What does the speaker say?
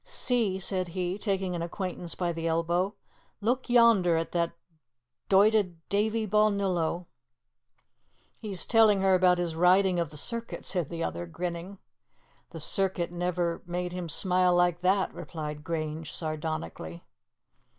"See," said he, taking an acquaintance by the elbow, "look yonder at that doited Davie Balnillo." "He is telling her about his riding of the circuit," said the other, grinning. "The circuit never made him smile like that," replied Grange sardonically.